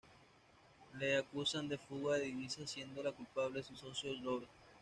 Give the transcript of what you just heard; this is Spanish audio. Le acusan de fuga de divisas siendo el culpable su socio Llobet.